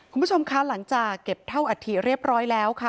คุณผู้ชมคะหลังจากเก็บเท่าอัฐิเรียบร้อยแล้วค่ะ